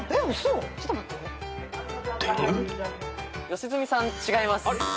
良純さん違います。